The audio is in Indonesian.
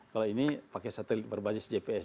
kalau ini pakai satelit berbasis jps